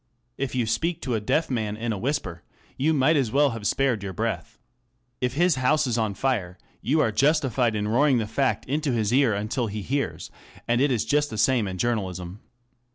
If you speak to a deaf man in a whisper, you might as well have spared your breath. If his house is on fire, you are justified in roaring the fact into his ear until he hears ; and it is just the same in journalism.